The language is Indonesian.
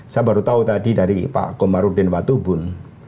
saya baru tahu tadi dari pak komarudin watubun